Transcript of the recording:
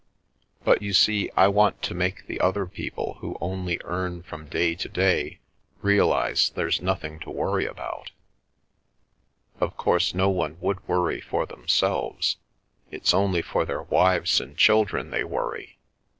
But, you see, I want to make the other people who only earn from day to day realise there's nothing to worry about Of course, no one would worry for themselves; it's only for their wives and children they worry.